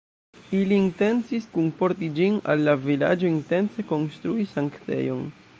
Ili intencis kunporti ĝin al la vilaĝo intence konstrui sanktejon.